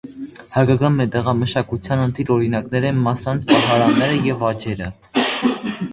Հայկական մետաղամշակության ընտիր օրինակներ են մասանց պահարանները և աջերը։